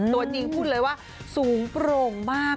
ตัวจริงพูดเลยว่าสูงโปร่งมาก